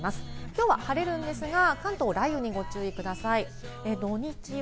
きょうは晴れるんですが、関東は雷雨にご注意ください。